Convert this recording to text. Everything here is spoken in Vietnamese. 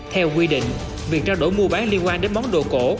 theo quy định việc trao đổi mua bán liên quan đến món đồ cổ